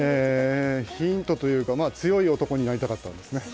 ヒントというか、強い男になりたかったですね。